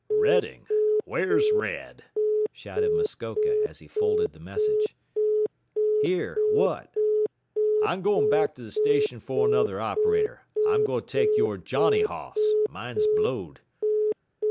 "Redding! Whar's Red?" shouted Muskoka as he folded the message. "Here. What?" "I'm going back to the station for another operator. I'm going to take your Johnny hoss. Mine's blowed."